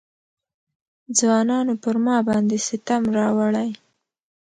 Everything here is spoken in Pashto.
ځوانانو پر ما باندې ستم راوړی.